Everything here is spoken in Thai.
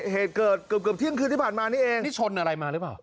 เหตุเกิดเกือบเกือบเที่ยงคืนที่ผ่านมานี่เองนี่ชนอะไรมาหรือเปล่า